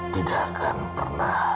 tidak akan pernah